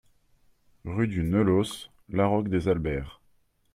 Rue du Neulos, Laroque-des-Albères